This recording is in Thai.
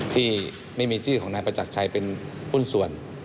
ที่ไม่มีชื่อของนายประจักรชัยเป็นหุ้นส่วน